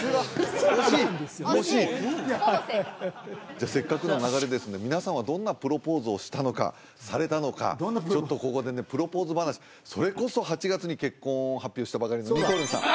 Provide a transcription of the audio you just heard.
惜しい惜しいほぼ正解じゃあせっかくの流れですので皆さんはどんなプロポーズをしたのかされたのかちょっとここでねプロポーズ話それこそ８月に結婚を発表したばかりのにこるんさん